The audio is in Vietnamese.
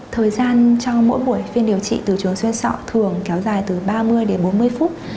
thời gian trong mỗi buổi phiên điều trị từ trường xuyên sọ thường kéo dài từ ba mươi đến bốn mươi phút